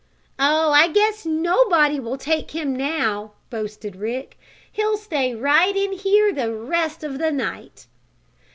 "Oh, I guess nobody will take him now!" boasted Rick. "He'll stay right in here the rest of the night."